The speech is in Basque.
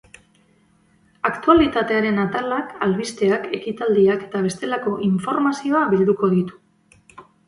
Aktualitatearen atalak albisteak, ekitaldiak eta bestelako informazioa bilduko ditu.